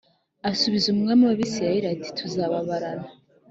asubiza umwami w Abisirayeli ati Tuzatabarana